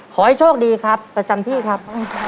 ขอให้โชคดีครับประจำที่ครับ